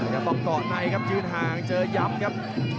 ต่อในครับยืนห่างเจอย้ำครับ